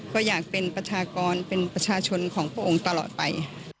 ก็อยากเป็นประชากรเป็นประชาชนของพระองค์ตลอดไป